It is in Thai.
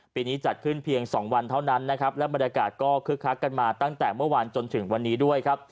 ปีนี้จัดขึ้นเพียง๒วันเท่านั้นนะครับและบรรยากาศก็คึกคักกันมาตั้งแต่เมื่อวานจนถึงวันนี้ด้วยครับ